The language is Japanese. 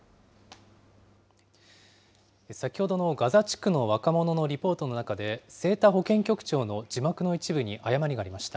先ほどのガザ地区の若者のリポートの中で、清田保健局長の字幕の一部に誤りがありました。